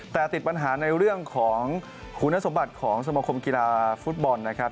แต่ติดปัญหาในเรื่องของคุณสมบัติของสมคมกีฬาฟุตบอลนะครับ